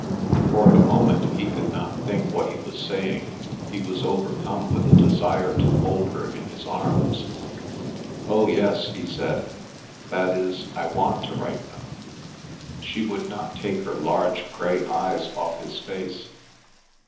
For the moment he could not think what he was saying. He was overcome with the desire to hold her in his arms. "Oh yes," he said. "That is, I want to write them." She would not take her large grey eyes off his face.